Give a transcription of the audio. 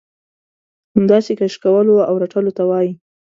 همداسې کش کولو او رټلو ته وايي.